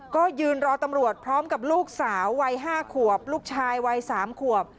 ก็ยืนรอตำรวจพร้อมกับลูกสาววัย๕ขวบลูกชายวัย๓ขวบ